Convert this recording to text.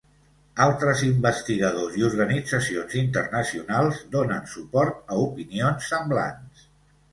Altres investigadors i organitzacions internacionals donen suport a opinions semblants.